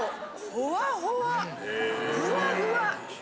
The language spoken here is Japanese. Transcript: ふわふわ！